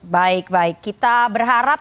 baik baik kita berharap